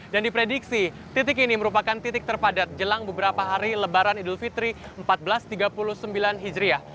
dan diprediksi titik ini merupakan titik terpadat jelang beberapa hari lebaran idul fitri seribu empat ratus tiga puluh sembilan hijriyah